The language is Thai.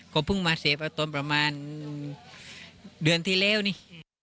ก็เพิ่งมาเสียไปตอนประมาณเดือนที่แล้วนี่